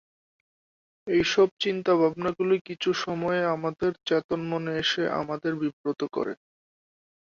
এইসব চিন্তা-ভাবনাগুলি কিছু সময়ে আমাদের চেতন মনে এসে আমাদের বিব্রত করে।